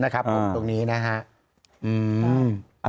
นะครับผมตรงนี้นะฮะ